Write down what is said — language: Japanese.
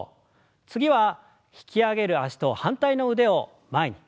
次は引き上げる脚と反対の腕を前に。